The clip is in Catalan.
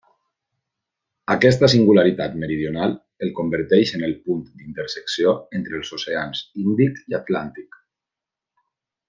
Aquesta singularitat meridional el converteix en el punt d'intersecció entre els oceans Índic i Atlàntic.